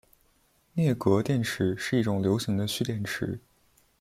镍镉电池是一种流行的蓄电池。